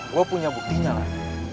gue punya buktinya lah